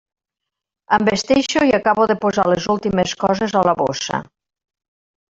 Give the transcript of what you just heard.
Em vesteixo i acabo de posar les últimes coses a la bossa.